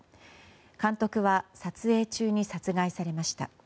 監督は撮影中に殺害されました。